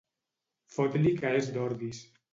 Fot-li que és d'Ordis.